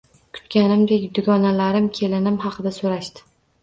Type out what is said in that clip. Kutganimdek dugonalarim kelinim haqida so`rashdi